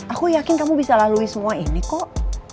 aku yakin kamu bisa lalui semua ini kok